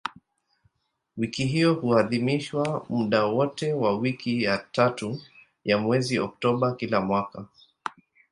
Wiki hiyo huadhimishwa muda wote wa wiki ya tatu ya mwezi Oktoba kila mwaka.